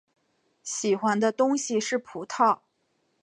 喜欢的东西是葡萄。